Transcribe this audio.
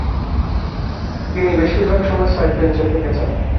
তিনি বেশিরভাগ সময়ে সাইড বেঞ্চে থেকেছেন।